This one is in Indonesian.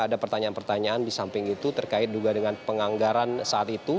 ada pertanyaan pertanyaan di samping itu terkait juga dengan penganggaran saat itu